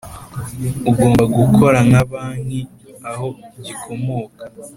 Ugomba gukora nka banki aho gikomoka